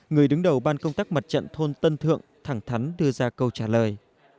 người đứng đầu ban công tác mặt trận thôn tân thượng thẳng thắn đưa ra câu trả lời